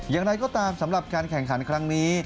อย่างไรก็ตามสำหรับการแข่งขันครั้งนี้